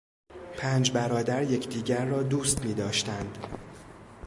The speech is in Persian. پنج برادر یکدیگر را دوست میداشتند.